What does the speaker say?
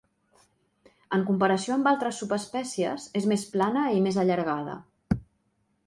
En comparació amb altres subespècies és més plana i més allargada.